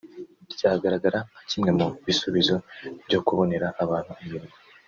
ryagaragara nka kimwe mu bisubizo byo kubonera abantu imirimo